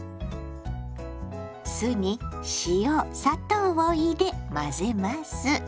酢に塩砂糖を入れ混ぜます。